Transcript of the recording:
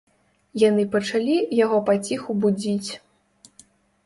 Яны пачалі яго паціху будзіць.